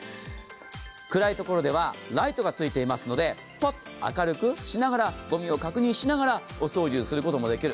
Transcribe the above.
暗いところではライトがついていますので、明るくしながら、ごみを確認しながらお掃除をすることもできる。